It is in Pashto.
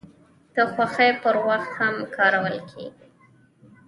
د خوښۍ پر وخت هم کارول کیږي.